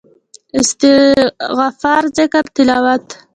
استغفار ذکر تلاوت